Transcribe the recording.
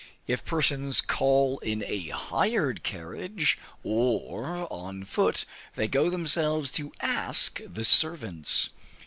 If persons call in a hired carriage, or on foot, they go themselves to ask the servants.